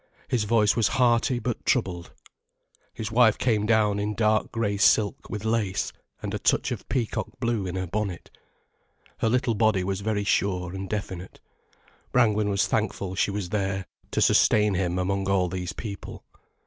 His voice was hearty but troubled. His wife came down in dark grey silk with lace, and a touch of peacock blue in her bonnet. Her little body was very sure and definite. Brangwen was thankful she was there, to sustain him among all these people.